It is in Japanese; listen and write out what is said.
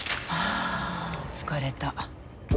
あ疲れた。